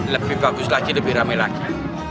lebih bagus lagi lebih rame lagi